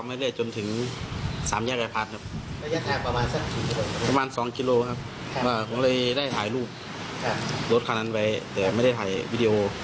แซงขึ้นมาขวาแซงแล้วก็แช่ยาวไม่ได้